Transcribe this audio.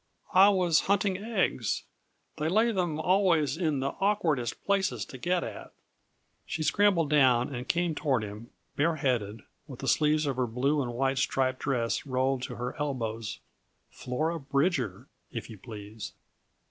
"I was hunting eggs. They lay them always in the awkwardest places to get at." She scrambled down and came toward him, bareheaded, with the sleeves of her blue and white striped dress rolled to her elbows Flora Bridger, if you please.